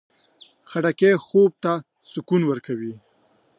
خټکی خوب ته سکون ورکوي.